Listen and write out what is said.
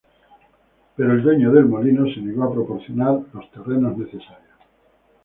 Pero el dueño del molino se negó a proporcionar los terrenos necesarios.